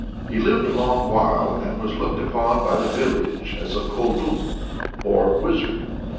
He lived a long while, and was looked upon by the village as a Koldun [or wizard].